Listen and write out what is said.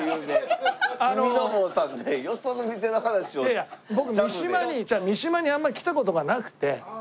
いやいや僕三島に違う三島にあんまり来た事がなくて。